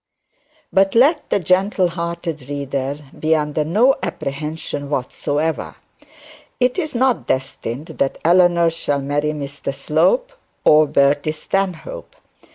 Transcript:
But let the gentle hearted reader be under no apprehension whatsoever. It is not destined that Eleanor shall marry Mr Slope or Bertie Stanhope.